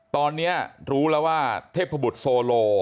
ตอนนี้รู้แล้วว่าเทพบุตรโซโล